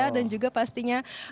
dan juga pastinya